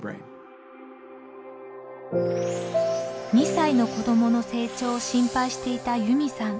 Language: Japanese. ２歳の子どもの成長を心配していたＹｕｍｉさん。